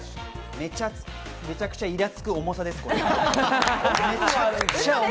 めちゃくちゃイラつく重さです。